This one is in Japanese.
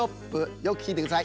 よくきいてください。